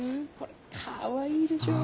かわいいでしょう。